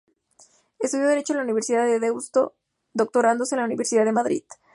Estudió Derecho en la Universidad de Deusto, doctorándose en la Universidad de Madrid.